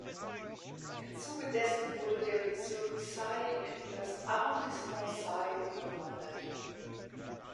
Im Zuge dessen wurde der Bezirk Say in das Arrondissement Say umgewandelt.